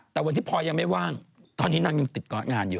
แต่วันที่พอยังไม่ว่างตอนนี้นางยังติดเกาะงานอยู่